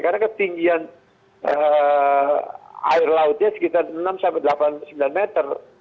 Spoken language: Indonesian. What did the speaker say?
karena ketinggian air lautnya sekitar enam sampai delapan sembilan meter